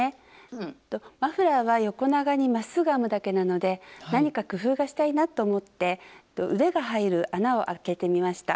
マフラーは横長にまっすぐ編むだけなので何か工夫がしたいなと思って腕が入る穴をあけてみました。